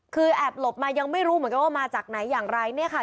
คือแอบหลบมายังไม่รู้เหมือนกันว่ามาจากไหนอย่างไรเนี่ยค่ะ